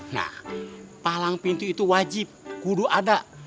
nah palang pintu itu wajib kudu adat